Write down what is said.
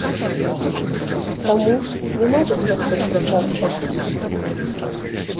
Таму, няма тут пра што спрачацца.